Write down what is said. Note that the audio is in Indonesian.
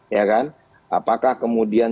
ya kan apakah kemudian